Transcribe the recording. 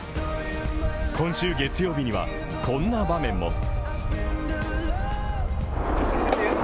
今週月曜日には、こんな場面も。